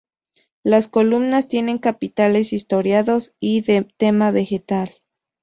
Las columnas tienen capiteles historiados y de tema vegetal.